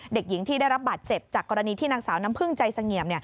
เด็กหญิงที่ได้รับบาดเจ็บจากกรณีที่นางสาวน้ำพึ่งใจเสงี่ยม